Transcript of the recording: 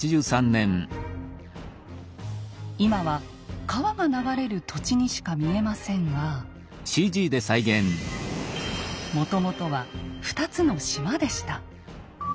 今は川が流れる土地にしか見えませんがもともとは２つの島でした。